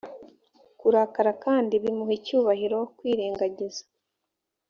kurakara kandi bimuha icyubahiro kwirengagiza